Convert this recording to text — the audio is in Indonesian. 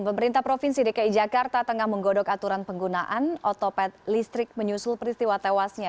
pemerintah provinsi dki jakarta tengah menggodok aturan penggunaan otopet listrik menyusul peristiwa tewasnya